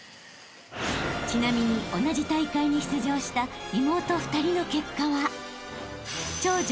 ［ちなみに同じ大会に出場した妹２人の結果は］